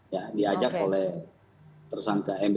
ya diajak oleh tersangka m